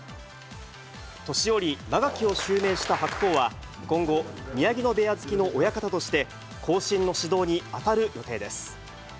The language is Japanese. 年寄・間垣を襲名した白鵬は、今後、宮城野部屋付きの親方として、後進の指導に当たる予定です。